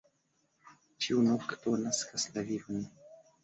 Ĉiu nokto naskas la vivon.